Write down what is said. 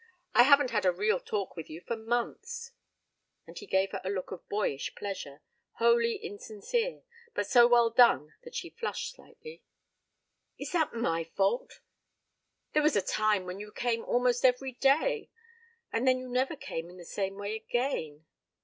I haven't had a real talk with you for months." And he gave her a look of boyish pleasure, wholly insincere, but so well done that she flushed slightly. "Is that my fault? There was a time when you came almost every day. And then you never came in the same way again."